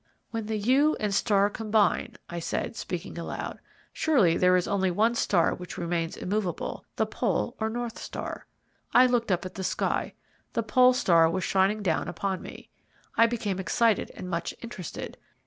"When the Yew and Star combine," I said, speaking aloud. "Surely there is only one star which remains immovable the Pole or North Star." I looked up at the sky the Pole Star was shining down upon me. I became excited and much interested.